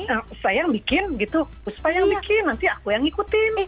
khuspa yang bikin gitu khuspa yang bikin nanti aku yang ikutin